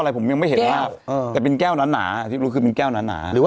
เรียบร้อยอยู่เขาหมดแล้ว